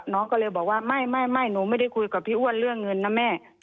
น้องก็เลยบอกว่าไม่หนูไม่ได้คุยกับพี่อ้วนเรื่องเงินนะแม่